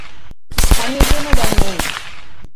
আমি এর জন্য দায়ী নই!